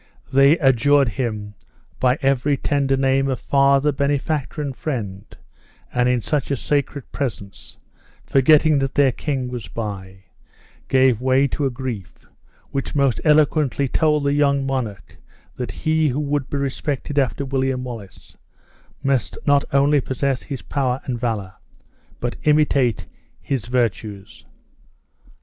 They adjured him, by every tender name of father, benefactor, and friend, and in such a sacred presence, forgetting that their king was by, gave way to a grief which, most eloquently, told the young monarch that he who would be respected after William Wallace must not only possess his power and valor, but imitate his virtues.